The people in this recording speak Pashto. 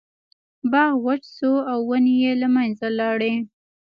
باغ وچ شو او ونې یې له منځه لاړې.